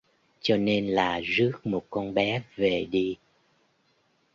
Cho nên là rước một con bé về đi